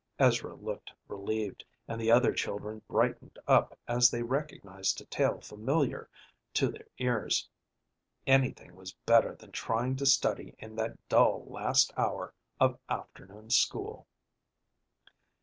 Ezra looked relieved, and the other children brightened up as they recognized a tale familiar to their ears. Anything was better than trying to study in that dull last hour of afternoon school.